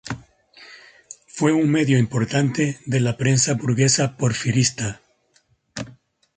Fue un medio importante de la prensa burguesa porfirista.